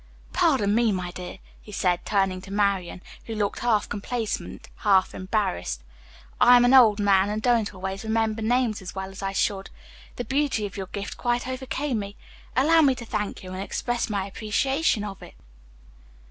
"Pardon me, my dear," he said turning to Marian, who looked half complacent, half embarrassed. "I am an old man and don't always remember names as well as I should. The beauty of your gift quite overcame me. Allow me to thank you and express my appreciation of it."